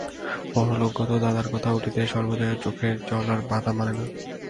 পরলোকগত দাদার কথা উঠিতে সর্বজয়ার চোখের জল আর বাঁধ মানে না।